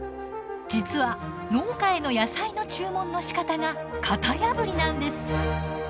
実は農家への野菜の注文のしかたが型破りなんです。